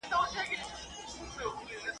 ما یې لیدی پر یوه لوړه څانګه.